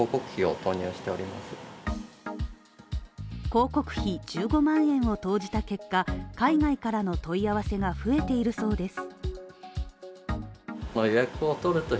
広告費１５万円を投じた結果、海外からの問い合わせが増えているそうです。